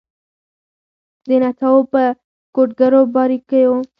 د نڅاوو په کوډګرو باریکېو